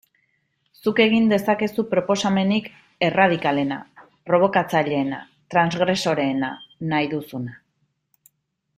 Zuk egin dezakezu proposamenik erradikalena, probokatzaileena, transgresoreena, nahi duzuna...